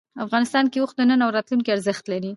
افغانستان کې اوښ د نن او راتلونکي ارزښت لري.